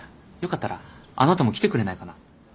よかったらあなたも来てくれないかな？